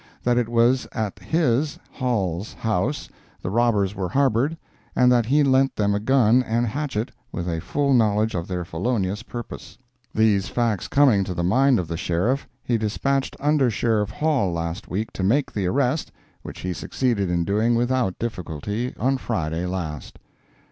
That it was at his (Hall's) house the robbers were harbored, and that he lent them a gun and hatchet, with a full knowledge of their felonious purpose. These facts coming to the mind of the Sheriff, he dispatched Under Sheriff Hall last week to make the arrest, which he succeeded in doing without difficulty, on Friday last.